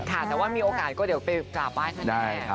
ค่าแต่ว่ามีโอกาสเดี๋ยวไปกากบ้านนะแก